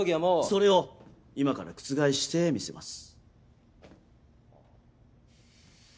それを今から覆してみせます。